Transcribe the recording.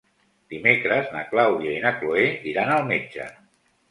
Dimecres na Clàudia i na Cloè iran al metge.